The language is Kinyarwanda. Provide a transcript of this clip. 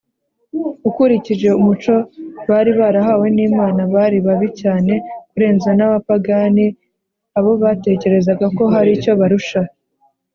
. Ukurikije umuco bari barahawe n’Imana, bari babi cyane kurenza n’abapagani, abo batekerezaga ko har’icyo barusha